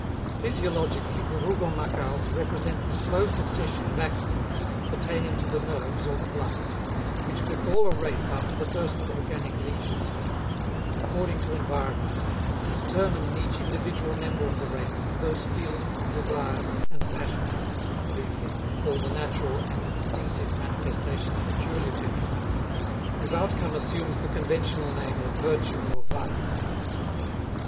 Physiologically the Rougon Macquarts represent the slow succession of accidents pertaining to the nerves or the blood, which befall a race after the first organic lesion, and, according to environment, determine in each individual member of the race those feelings, desires and passions—briefly, all the natural and instinctive manifestations peculiar to humanity—whose outcome assumes the conventional name of virtue or vice.